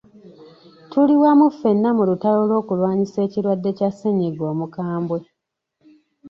Tuli wamu ffenna mu lutalo lw'okulwanyisa ekirwadde kya ssennyiga omukambwe.